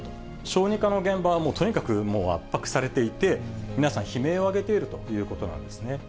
小児科の現場はとにかくもう圧迫されていて、皆さん、悲鳴を上げているということなんですね。